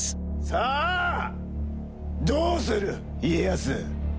さあ、どうする家康！